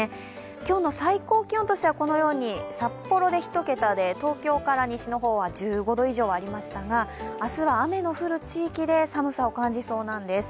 今日の最高気温としては、このように札幌で１桁で東京から西の方は１５度以上ありましたが、明日は雨の降る地域で寒さを感じそうなんです。